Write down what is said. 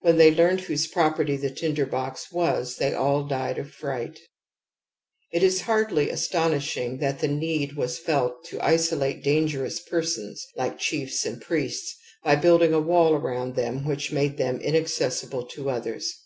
When they learned whose property the tinder box was they all died of i fright «•.' It is hardly astonishing that the need was felt to isolate dangerous persons like chiefs and priests, by building a wall around them which made them inaccessible to others.